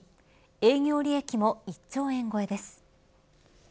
営業利益も１兆円超えです。